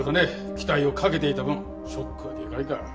期待をかけていた分ショックはでかいか。